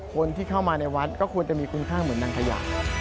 คนที่เข้ามาในวัดก็ควรจะมีคุณค่าเหมือนนางขยะ